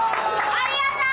ありがとう！